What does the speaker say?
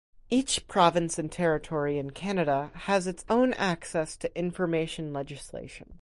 Each province and territory in Canada has its own access to information legislation.